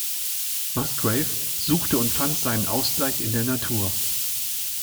Musgrave suchte und fand seinen Ausgleich in der Natur.